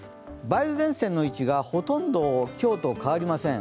梅雨前線の位置がほとんど今日と変わりません。